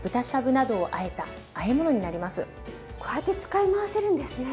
こうやって使い回せるんですね。